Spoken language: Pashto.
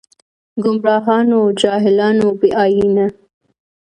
ګمراهان و جاهلان و بې ائينه